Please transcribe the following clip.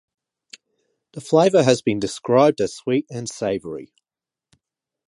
The flavor has been described as sweet and savory.